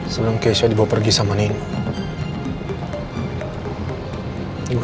sebelum keisha dibawa pergi sama nengo